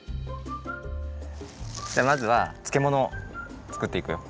じゃあまずはつけものを作っていくよ。